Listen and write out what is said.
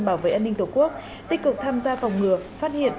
bảo vệ an ninh tổ quốc tích cực tham gia phòng ngừa phát hiện